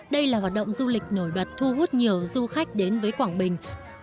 đây là hoạt động du lịch nổi bật thu hút nhiều du khách đến với quảng bình